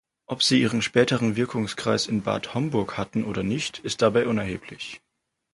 Ob sie ihren späteren Wirkungskreis in Bad Homburg hatten oder nicht, ist dabei unerheblich.